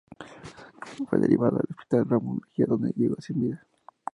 Fue derivado al Hospital Ramos Mejía, donde llegó sin vida.